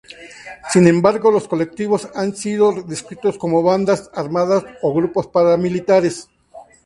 Sin embargo, los colectivos han sido descritos como bandas armadas o grupos paramilitares.